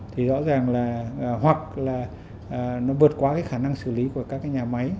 thì rõ ràng là hoặc là nó vượt qua cái khả năng xử lý của các cái nhà máy